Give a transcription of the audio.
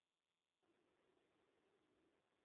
台湾厚距花为野牡丹科厚距花属下的一个种。